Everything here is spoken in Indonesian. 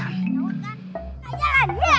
ajan tolong bantuin gue ajan